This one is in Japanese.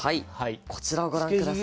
こちらをご覧下さい。